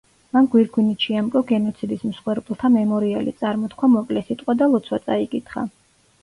მან გვირგვინით შეამკო გენოციდის მსხვერპლთა მემორიალი, წარმოთქვა მოკლე სიტყვა და ლოცვა წაიკითხა.